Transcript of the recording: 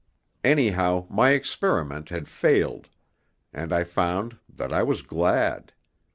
Anyhow, my experiment had failed; and I found that I was glad.